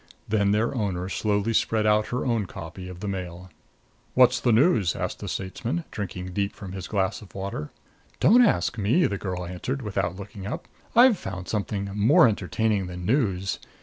Then their owner slowly spread out her own copy of the Mail. "What's the news?" asked the statesman, drinking deep from his glass of water. "Don't ask me," the girl answered, without looking up. "I've found something more entertaining than news.